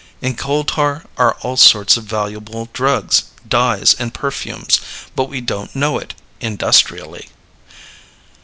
In coal tar are all sorts of valuable drugs, dyes, and perfumes. But we don't know it industrially.